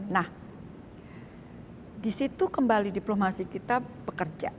nah di situ kembali diplomasi kita bekerja